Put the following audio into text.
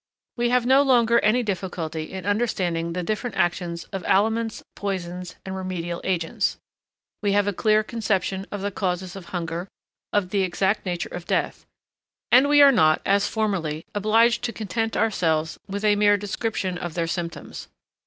We have now no longer any difficulty in understanding the different actions of aliments, poisons, and remedial agents we have a clear conception of the causes of hunger, of the exact nature of death; and we are not, as formerly, obliged to content ourselves with a mere description of their symptoms.